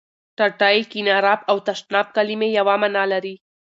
ټټۍ، کېناراب او تشناب کلمې یوه معنا لري.